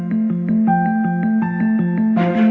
โปรดติดตามตอนต่อไป